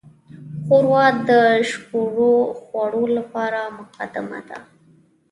ښوروا د شګوړو خوړو لپاره مقدمه ده.